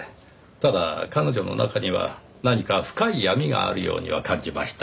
ただ彼女の中には何か深い闇があるようには感じました。